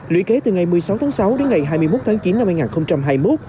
lũy kế từ ngày một mươi sáu tháng sáu đến ngày hai mươi một tháng chín năm hai nghìn hai mươi một